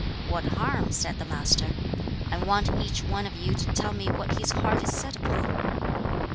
"What harm?" said the Master; "I want each one of you to tell me what his heart is set upon."